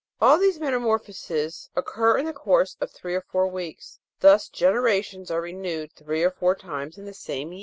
All these metamorphoses occur in the course of three or four weeks : thus, generations are renewed three or four times in the same year.